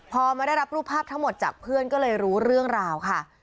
พอมาได้รับรูปภาพทั้งหมดจากเพื่อนก็เลยรู้เรื่องราวค่ะ